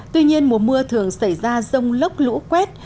tuy nhiên mùa mưa thường xảy ra rông lốc lũ quét